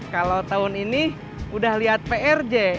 kalau tahun ini udah lihat prj